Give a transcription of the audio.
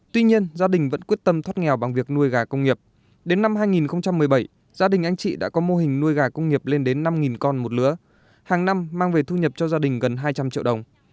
tuy nhiên gia đình vẫn quyết tâm thoát nghèo bằng việc nuôi gà công nghiệp đến năm hai nghìn một mươi bảy gia đình anh chị đã có mô hình nuôi gà công nghiệp lên đến năm con một lứa hàng năm mang về thu nhập cho gia đình gần hai trăm linh triệu đồng